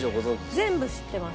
全部知ってます。